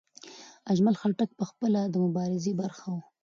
اجمل خټک پخپله د مبارزې برخه و.